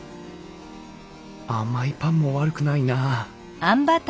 甘いパンも悪くないな。